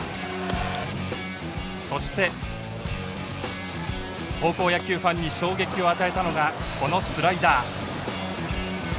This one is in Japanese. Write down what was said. そして高校野球ファンに衝撃を与えたのがこのスライダー。